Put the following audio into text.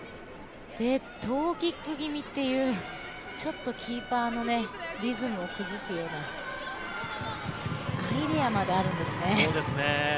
トゥキック気味という、ちょっとキーパーのリズムを崩すアイデアまであるんですね。